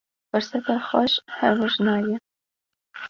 Firseta xewş her roj nayê